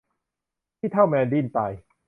ที่เท่าแมวดิ้นตาย